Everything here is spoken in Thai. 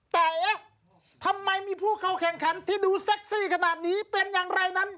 แต่เอ๊ะทำไมมีผู้เข้าแข่งขันที่ดูเซ็กซี่ขนาดนี้เป็นอย่างไรนั้น